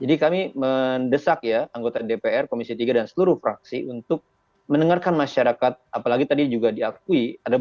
jadi kami mendesak ya anggota dpr komisi tiga dan seluruh fraksi untuk mendengarkan masyarakat apalagi tadi juga diakui ada beberapa pasal yang masih bermasalah